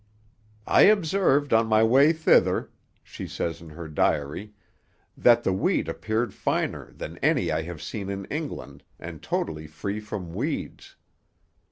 'I observed on my way thither,' she says in her diary, 'that the wheat appeared finer than any I have seen in England, and totally free from weeds.'